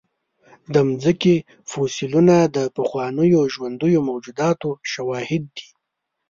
د مځکې فوسیلونه د پخوانیو ژوندیو موجوداتو شواهد دي.